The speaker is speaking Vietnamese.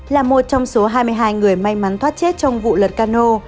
là một trong số hai mươi hai người may mắn thoát chết trong vụ lật cano